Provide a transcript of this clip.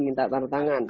minta tanda tangan